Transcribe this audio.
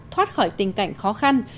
thoát khỏi tình cảnh khó khăn